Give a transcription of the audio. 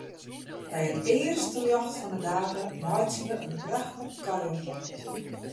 By it earste ljocht fan 'e dage meitsje wy in prachtige kuiertocht.